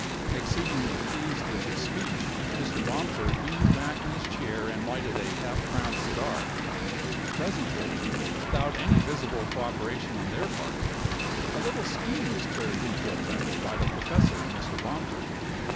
Exceedingly pleased with his speech, Mr. Bomford leaned back in his chair and lighted a half crown cigar. Presently, without any visible co operation on their part, a little scheme was carried into effect by the professor and Mr. Bomford.